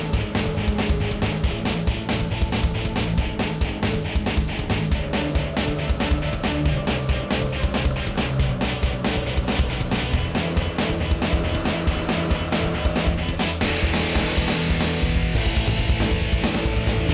kenapa sih kembar mbar